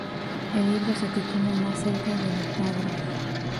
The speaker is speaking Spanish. El libro se titula "Más cerca de mi padre".